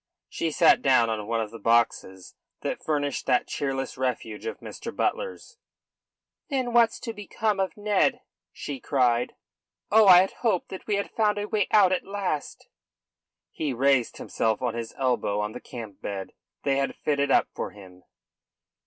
She sat down on one of the boxes that furnished that cheerless refuge of Mr. Butler's. "Then what's to become of Ned?" she cried. "Oh, I had hoped that we had found a way out at last." He raised himself on his elbow on the camp bed they had fitted up for him.